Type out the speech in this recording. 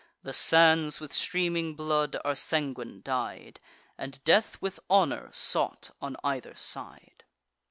The sands with streaming blood are sanguine dyed, And death with honour sought on either side.